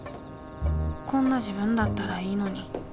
こんな自分だったらいいのに。